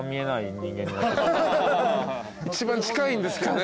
一番近いんですかね